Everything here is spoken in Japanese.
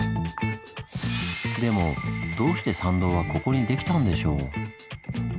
でもどうして参道はここにできたんでしょう？